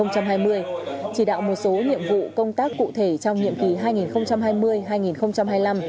chỉ đạo một số nhiệm vụ công tác cụ thể trong nhiệm kỳ hai nghìn hai mươi hai nghìn hai mươi năm